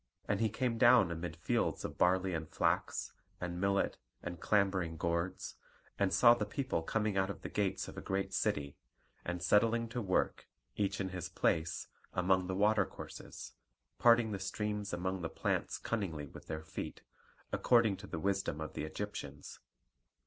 And he came down amid fields of barley and flax, and millet, and clambering gourds; and saw the people coming out of the gates of a great city, and setting to work, each in his place, among the water courses, parting the streams among the plants cunningly with their feet, according to the wisdom of the Egyptians.